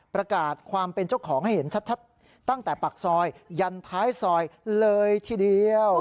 ประกาศความเป็นเจ้าของให้เห็นชัดตั้งแต่ปากซอยยันท้ายซอยเลยทีเดียว